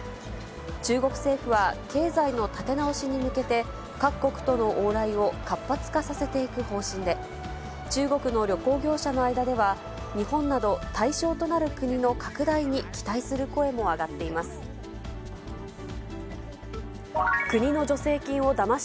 中国政府は、経済の立て直しに向けて、各国との往来を活発化させていく方針で、中国の旅行業者の間では、日本など、対象となる国の拡大に期待する声も上がっています。